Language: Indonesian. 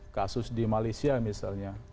kasus di malaysia misalnya